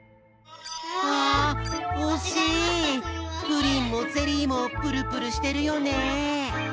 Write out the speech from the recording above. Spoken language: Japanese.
プリンもゼリーもプルプルしてるよね。